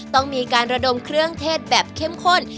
ต้องมีการระดมเครื่องเทศแบบเข้มข้น